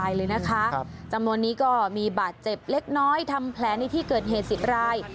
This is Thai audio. เยอะด้วยนะคะจำนวนนี้ก็มีบาดเจ็บเล็กน้อยทำแพ้ในที่เกิดเหตุ๑๐ราย